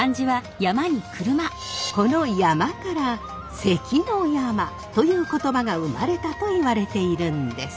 この山車から「関の山」という言葉が生まれたといわれているんです。